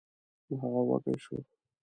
هغه وږی شو.